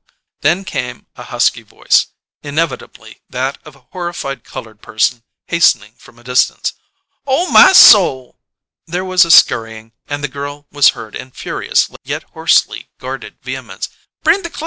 _" Then came a husky voice, inevitably that of a horrified coloured person hastening from a distance: "Oh, my soul!" There was a scurrying, and the girl was heard in furious yet hoarsely guarded vehemence: "Bring the clo'es prop!